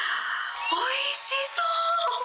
おいしそう！